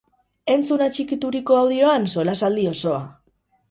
Entzun atxikituriko audioan solasaldi osoa!